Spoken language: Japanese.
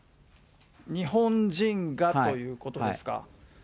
日本人がということですか。